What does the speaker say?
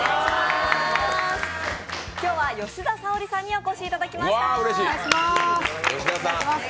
今日は吉田沙保里さんにお越しいただきました。